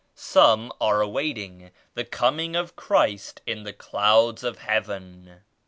Some are awaiting the coming of Christ in the clouds of heaven.